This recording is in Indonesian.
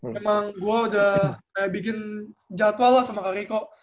jadi emang gue udah kayak bikin jadwal lah sama kak riko